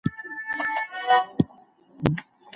په کورنۍ روزنه کي د چا شخصیت نه خرابېږي.